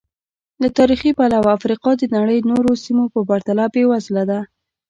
له تاریخي پلوه افریقا د نړۍ نورو سیمو په پرتله بېوزله ده.